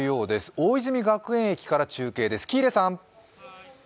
大泉学園駅から中継です。